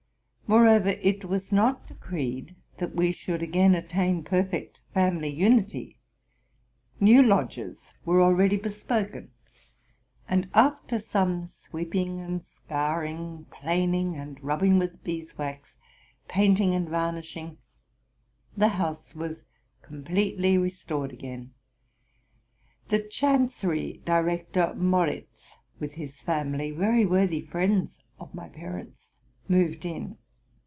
Moreover, it was not decreed that we should again attain perfect family unity. New lodgers were already bespoken ; and after some sweep ing and scouring ', planing, and rubbing with beeswax, paint ing and var nishing, the house was completely restored again, The chancery director Moritz, with his family, very worthy friends of my parents, moved in.